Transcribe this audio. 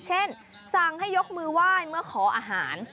เช่นสั่งให้ยกมือไหว้เมื่อขออาหาร